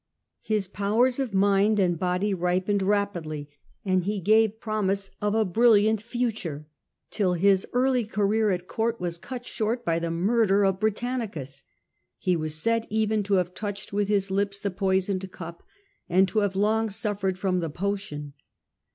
His powers of mind and body ripened rapidly, and he gave promise of a brilliant future, till his early career at court was cut short by the murder of Britannicus. He was said even to have touched with his lips the poisoned cup and to have long suffered from the potion.